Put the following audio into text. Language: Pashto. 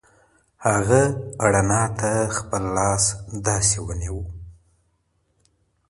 هغه رڼا ته خپل لاس داسې ونیو.